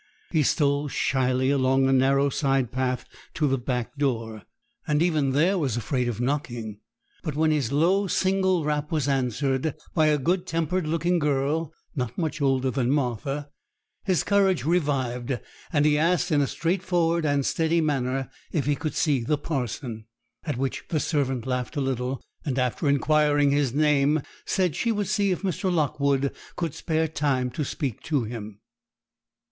He stole shyly along a narrow side path to the back door, and even there was afraid of knocking; but when his low single rap was answered by a good tempered looking girl, not much older than Martha, his courage revived, and he asked, in a straightforward and steady manner, if he could see the parson. At which the servant laughed a little, and, after inquiring his name, said she would see if Mr. Lockwood could spare time to speak to him.